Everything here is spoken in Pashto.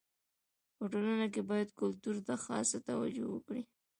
په ټولنه کي باید کلتور ته خاصه توجو وکړي.